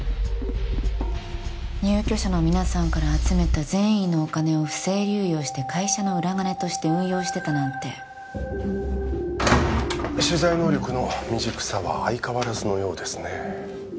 入居者の皆さんから集めた善意のお金を不正流用して会社の裏金として運用してたなんて取材能力の未熟さは相変わらずのようですね・